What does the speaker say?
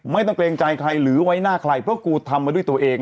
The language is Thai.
เกรงใจใครหรือไว้หน้าใครเพราะกูทำมาด้วยตัวเอง